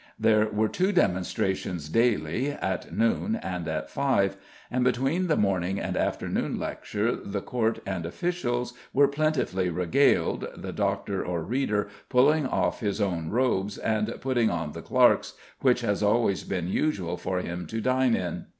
There were two demonstrations daily, at noon and at five, and between the morning and afternoon lecture the court and officials were "plentifully regaled," the doctor or reader "pulling off his own robes and putting on the clerk's, which has always been usual for him to dine in."